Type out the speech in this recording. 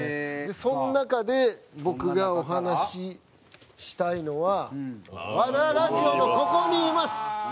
その中で僕がお話ししたいのは『和田ラヂヲのここにいます』。